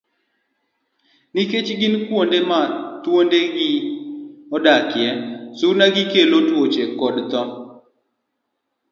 Nikech gin kuonde ma thuonde gi t dakie, suna gikelo tuoche koda tho.